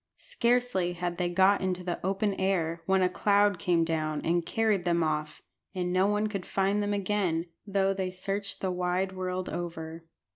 Scarcely had they got into the open air when a cloud came down and carried them off, and no one could find them again, though they searched the wide world over.